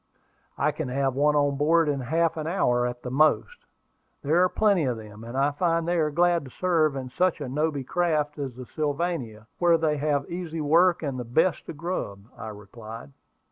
"I can have one on board in half an hour at the most. There are plenty of them, and I find they are glad to serve in such a nobby craft as the Sylvania, where they have easy work and the best of grub," I replied.